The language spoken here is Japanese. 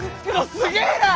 すげえな！